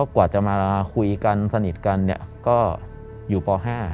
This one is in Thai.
กว่าจะมาคุยกันสนิทกันก็อยู่ป๕